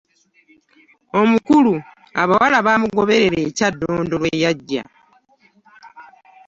Omukulu abawala baamugoberera e KyaddondoIwe yajja.